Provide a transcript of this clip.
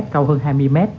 cao hơn hai mươi m